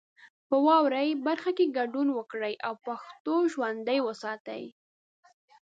په واورئ برخه کې ګډون وکړئ او پښتو ژوندۍ وساتئ.